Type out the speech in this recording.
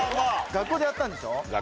学校でやったんでしょ。